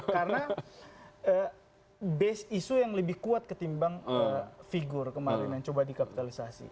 karena base isu yang lebih kuat ketimbang figur kemarin yang coba dikapitalisasi